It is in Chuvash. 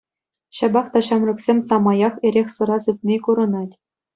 Ҫапах та ҫамрӑксем самаях эрех-сӑра сыпни курӑнать.